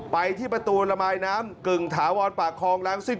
ไปที่ประตูระบายน้ำกึ่งถาวรปากคลองรังซิก